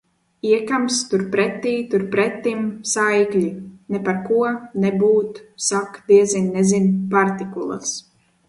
Iekams, turpretī, turpretim - saikļi. Neparko, nebūt, sak, diezin, nezin - partikulas.